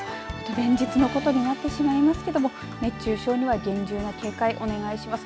連日のことになってしまいますけど熱中症には厳重な警戒をお願いします。